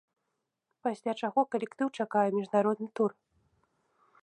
Пасля чаго калектыў чакае міжнародны тур.